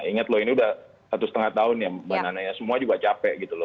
ingat loh ini udah satu setengah tahun ya banananya semua juga capek gitu loh